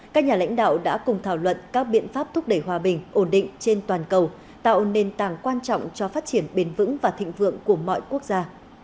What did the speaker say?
các nhà lãnh đạo đã cùng thảo luận các biện pháp thúc đẩy hòa bình ổn định trên toàn cầu tạo nền tảng quan trọng cho phát triển bền vững và thịnh vượng của mọi quốc gia